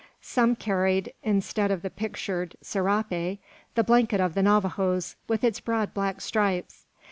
Some carried, instead of the pictured serape, the blanket of the Navajoes, with its broad black stripes.